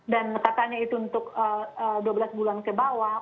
katanya itu untuk dua belas bulan ke bawah